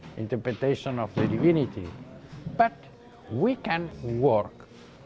mengajan di prode salman ssim moa lich na omeret ssy camerasamenta vika